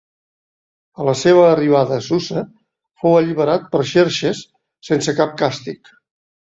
A la seva arribada a Susa fou alliberat per Xerxes sense cap càstig.